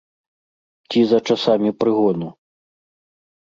Ці за часамі прыгону?